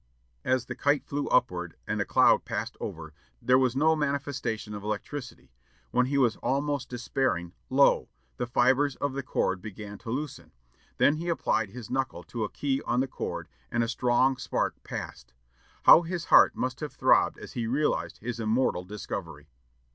As the kite flew upward, and a cloud passed over, there was no manifestation of electricity. When he was almost despairing, lo! the fibres of the cord began to loosen; then he applied his knuckle to a key on the cord, and a strong spark passed. How his heart must have throbbed as he realized his immortal discovery!